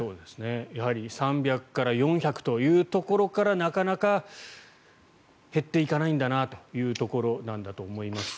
やはり３００から４００というところからなかなか減っていかないんだなというところだと思います。